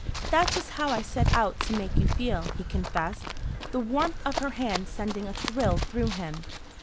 "That's just how I set out to make you feel," he confessed, the warmth of her hand sending a thrill through him.